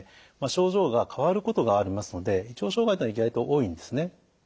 症状が変わることがありますので胃腸障害というのは意外と多いんですね。